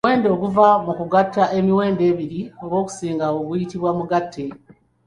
Omuwendo oguva mu kugatta emiwendo ebiri oba okusingawo guyitibwa Mugatte.